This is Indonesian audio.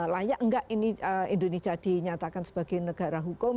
layak nggak ini indonesia dinyatakan sebagai negara hukum